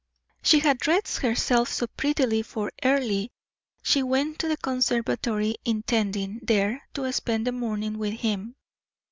She had dressed herself so prettily for Earle she went to the conservatory intending, there, to spend the morning with him.